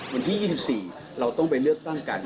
วันที่๒๔เราต้องไปเลือกตั้งกัน